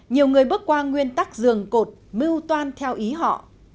nhiều người bước qua nguyên tắc giường cột mưu toan theo ý họ